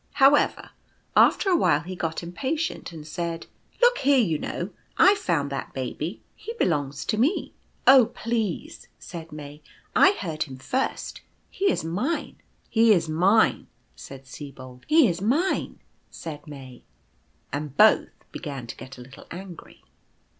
However, after a while he got impatient, and said :" Look here, you know, I found that Baby; he be longs to me." " Oh, please/' said May, " I heard him first. He is mine." " He is mine," said Sibold; " He is mine," said May; and both began to get a little angry.